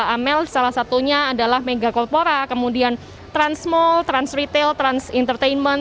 amel salah satunya adalah megacorpora kemudian transmall transretail trans entertainment